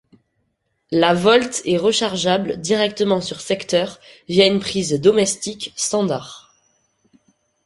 La Volt est rechargeable directement sur secteur, via une prise domestique standard.